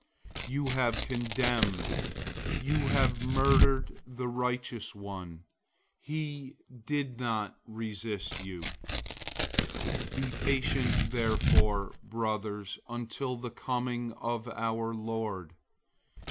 005:006 You have condemned, you have murdered the righteous one. He doesn't resist you. 005:007 Be patient therefore, brothers, until the coming of the Lord.